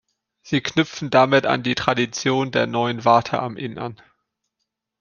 Sie knüpfen damit an die Tradition der Neuen Warte am Inn an.